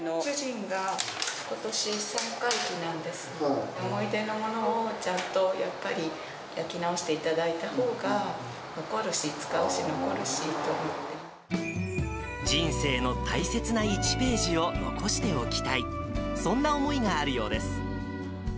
主人が、ことし三回忌なんですけど、思い出のものをちゃんと、やっぱり焼き直していただいたほうが、残るし、使うし、人生の大切な１ページを残しておきたい、そんな思いがあるようです。